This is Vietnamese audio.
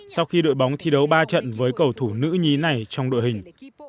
sau khi đội bóng thi đấu ba trận với cầu thủ nữ nhí này trong đội hình